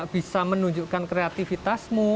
kita akan menunjukkan kreatifitasmu